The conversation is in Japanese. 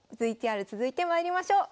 ＶＴＲ続いてまいりましょう。